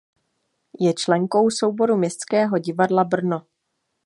Je členkou souboru Městského divadla Brno.